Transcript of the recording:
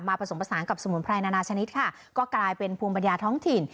ผสมผสานกับสมุนไพรนานาชนิดค่ะก็กลายเป็นภูมิปัญญาท้องถิ่น